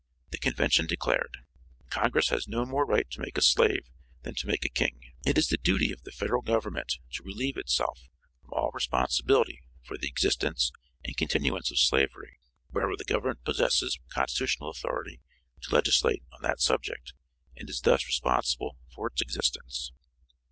The convention declared: "Congress has no more right to make a slave than to make a king; it is the duty of the federal government to relieve itself from all responsibility for the existence and continuance of slavery wherever the government possesses constitutional authority to legislate on that subject and is thus responsible for its existence."